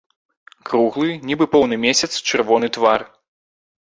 Круглы, нібы поўны месяц, чырвоны твар.